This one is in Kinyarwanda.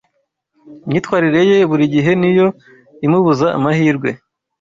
Imyitwarire ye burigihe niyo imubuza amahirwe